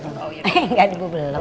enggak bu belum